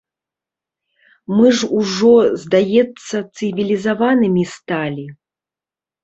Мы ж ужо, здаецца, цывілізаванымі сталі.